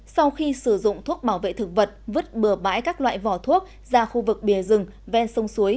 sau khi sử dụng thuốc bảo vệ thực vật vứt bừa bãi các loại vỏ thuốc ra khu vực bìa rừng ven sông suối